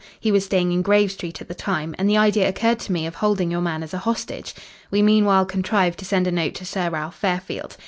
He was staying in Grave Street at the time, and the idea occurred to me of holding your man as a hostage. We meanwhile contrived to send a note to Sir Ralph Fairfield.